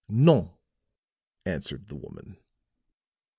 "No," answered the woman.